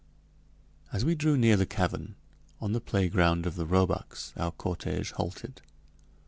As we drew near the cavern, on the playground of the roebucks, our cortége halted.